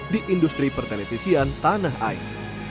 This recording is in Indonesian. di industri pertenetisian tanah air